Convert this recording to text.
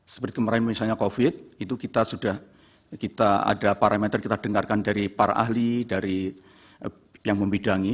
seperti kemarin misalnya covid itu kita sudah kita ada parameter kita dengarkan dari para ahli dari yang membidangi